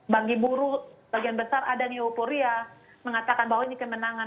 bagi buruh bagian besar ada di euforia mengatakan bahwa ini kemenangan